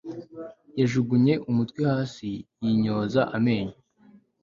yajugunye umutwe hasi yinyoza amenyo